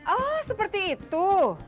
oh seperti itu